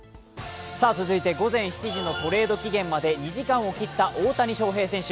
続いて午前７時のトレード期限まで２時間を切った大谷翔平選手